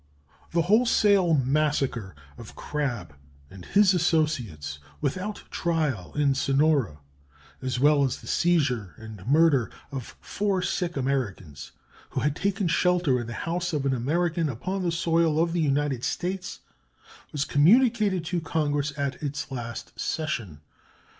The wholesale massacre of Crabbe and his associates without trial in Sonora, as well as the seizure and murder of four sick Americans who had taken shelter in the house of an American upon the soil of the United States, was communicated to Congress at its last session.